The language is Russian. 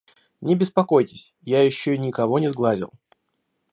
Не беспокойтесь, я еще никого не сглазил.